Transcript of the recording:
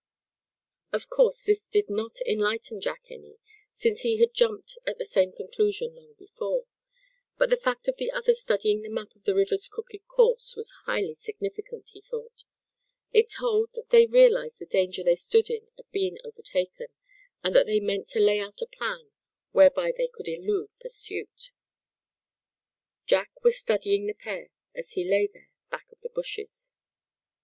Of course this did not enlighten Jack any, since he had jumped at the same conclusion long before. But the fact of the others studying a map of the river's crooked course was highly significant, he thought. It told that they realized the danger they stood in of being overtaken, and that they meant to lay out a plan whereby they could elude pursuit. Jack was studying the pair as he lay there back of the bushes.